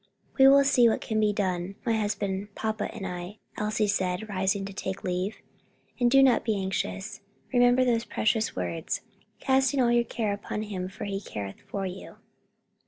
"We will see what can be done, my husband, papa, and I," Elsie said, rising to take leave. "And do not be anxious; remember those precious words, 'Casting all your care on Him for He careth for you.'"